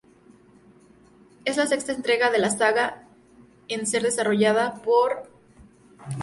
Es la sexta entrega de la saga en ser desarrollada por Nd Cube.